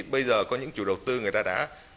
bây giờ có những chủ đầu tư người ta đã